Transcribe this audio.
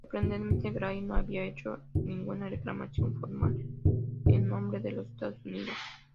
Sorprendentemente, Gray no había hecho ninguna reclamación formal en nombre de los Estados Unidos.